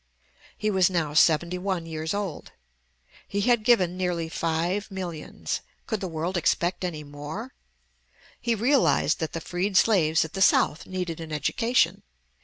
He was now seventy one years old. He had given nearly five millions; could the world expect any more? He realized that the freed slaves at the South needed an education.